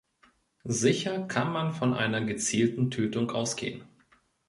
Sicher kann man von einer gezielten Tötung ausgehen.